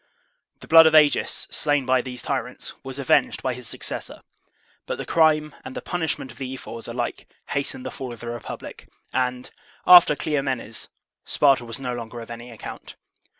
The blood of Agis, slain by these tyrants, was avenged by his succes sor; but the crime and the punishment of the ephors alike hastened the fall of the republic, and, after Cleom enes, Sparta was no longer of any account.